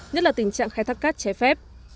nhất là tình trạng khai thác cát trái phép